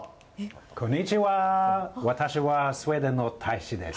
こんにちは私はスウェーデンの大使です。